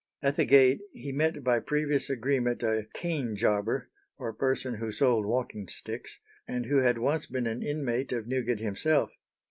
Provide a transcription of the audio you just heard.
At the gate he met by previous agreement a "cane jobber," or person who sold walking sticks, and who had once been an inmate of Newgate himself.